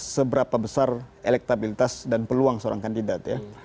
seberapa besar elektabilitas dan peluang seorang kandidat ya